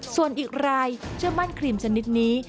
ส่วนอีกรายเชื่อมั่นครีมชนิดนี้